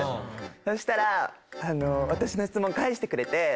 そしたら私の質問返してくれて。